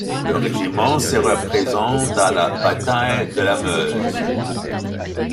Le régiment sera présent à la Bataille de la Meuse.